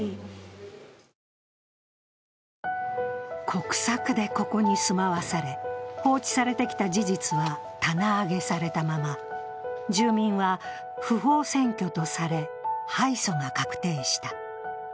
国策でここに住まわされ放置されてきた事実は棚上げされたまま、住民は不法占拠とされ敗訴が確定した。